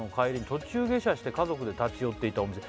「途中下車して家族で立ち寄っていたお店」